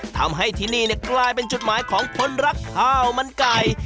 ทำให้ที่นี่กลายเป็นจุดหมายของคนรักข้าวมันไก่